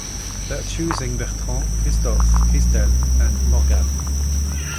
They are choosing Bertrand, Christophe, Christelle and Morgane.